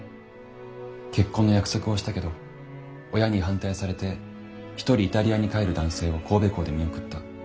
結婚の約束をしたけど親に反対されて一人イタリアに帰る男性を神戸港で見送った。